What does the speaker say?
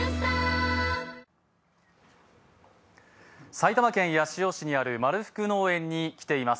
埼玉県八潮市にあるまるふく農園に来ています。